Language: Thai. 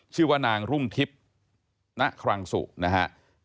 ชื่อว่านางรุ่งทิพย์ณครังสุนะฮะ